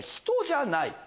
人じゃない？